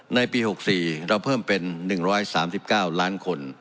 ในปี๖๔เราเพิ่มเป็น๑๓๙ล้านคน